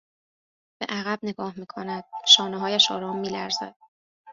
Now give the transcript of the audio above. به عقب نگاه میکند شانههایش آرام میلرزد